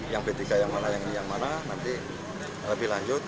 yang b tiga yang mana yang ini yang mana nanti lebih lanjut